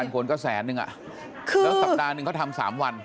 คนก็แสนนึงแล้วสัปดาห์หนึ่งเขาทำ๓วัน